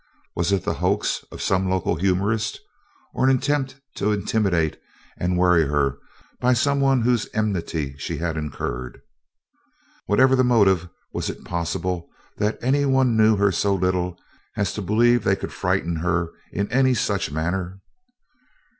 Was it the hoax of some local humorist? Or an attempt to intimidate and worry her by someone whose enmity she had incurred? Whatever the motive, was it possible that any one knew her so little as to believe they could frighten her in any such manner?